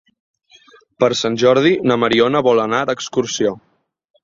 Per Sant Jordi na Mariona vol anar d'excursió.